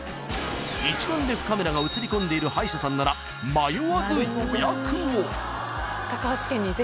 ［一眼レフカメラが写り込んでいる歯医者さんなら迷わず予約を］